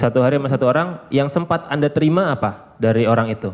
satu hari sama satu orang yang sempat anda terima apa dari orang itu